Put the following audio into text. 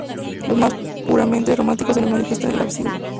Lo más puramente románico se nos manifiesta en el ábside.